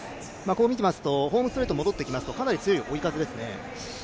こう見てみますとホームストレートに戻ってきますと、かなり強い追い風ですよね。